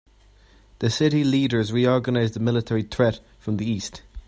The city leaders recognized a military threat from the east.